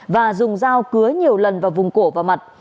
và dùng dao cứa nhiều lần vào vùng cổ và mặt